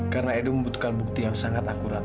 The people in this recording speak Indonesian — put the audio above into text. karena edo membutuhkan bukti yang sangat akurat